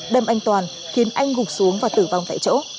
đâm anh toàn khiến anh gục xuống và tử vong tại chỗ